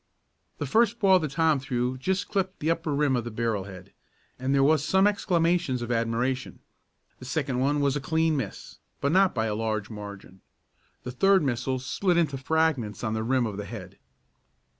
The first ball that Tom threw just clipped the upper rim of the barrel head, and there were some exclamations of admiration. The second one was a clean miss, but not by a large margin. The third missile split into fragments on the rim of the head.